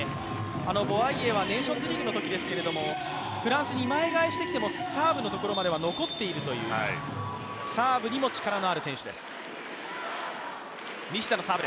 ボワイエはネーションズリーグのときフランス二枚替えしてきてもサーブのところには残っているというサーブにも力のある選手です。